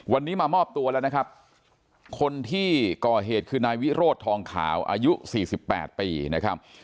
วันนี้มามอบตัวแล้วนะครับคนที่ก่อเหตุคือนายวิโรธทองขาวอายุ๔๘ปีนะครับ